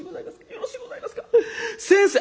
よろしいございますか。先生」。